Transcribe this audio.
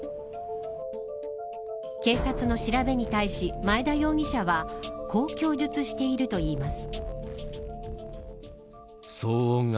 警察の調べに対し、前田容疑者はこう供述しているといいます。